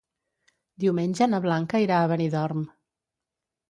Diumenge na Blanca irà a Benidorm.